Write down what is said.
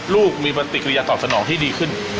ลูกมีปฏิกิริยาตอบสนองที่ดีขึ้น